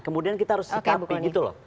kemudian kita harus sikapi gitu loh